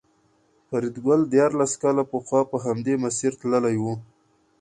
فریدګل دیارلس کاله پخوا په همدې مسیر تللی و